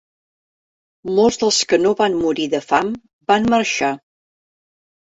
Molts dels que no van morir de fam van marxar.